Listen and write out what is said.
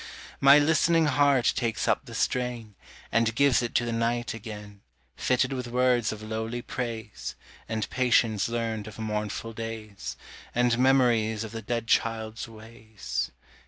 My listening heart takes up the strain, And gives it to the night again, Fitted with words of lowly praise, And patience learned of mournful days, And memories of the dead child's ways.